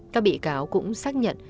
các bị cáo cũng xác nhận